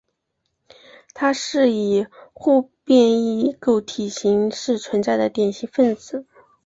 它是以互变异构体形式存在的典型分子。